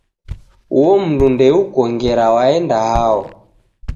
Uo mundu ndeuko ngera waenda hao